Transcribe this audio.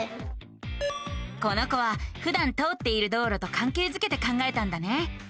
この子はふだん通っている道路とかんけいづけて考えたんだね。